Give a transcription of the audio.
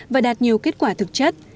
và đạt nhiều kết quả thực chất